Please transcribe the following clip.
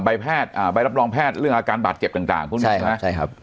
ใบแพทย์ใบรับรองแพทย์เรื่องอาการบาดเจ็บต่างพวกนี้นะใช่ครับ